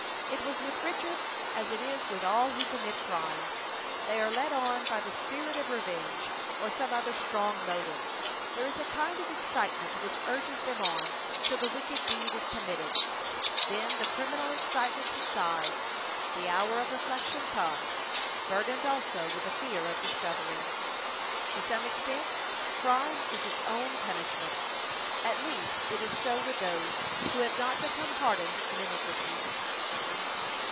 It was with Richard as it is with all who commit crimes. They are led on by the spirit of revenge, or some other strong motive. There is a kind of excitement which urges them on till the wicked deed is committed. Then the criminal excitement subsides; the hour of reflection comes, burdened also with the fear of discovery. To some extent, crime is its own punishment; at least, it is so with those who have not become hardened in iniquity.